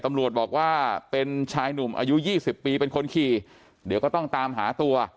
ตำรวจบอกว่าเป็นชายหนุ่มอายุ๒๐ปีเป็นคนขี่เดี๋ยวก็ต้องตามหาตัว